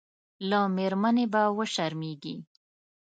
له مېرمنې به وشرمېږي.